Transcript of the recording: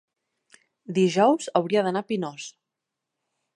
dijous hauria d'anar a Pinós.